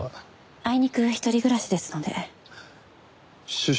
あいにく一人暮らしですので。